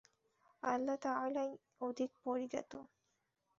আল্লাহ তাআলাই অধিক পরিজ্ঞাত।